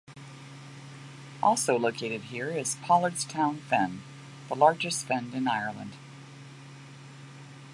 Also located here is Pollardstown Fen, the largest fen in Ireland.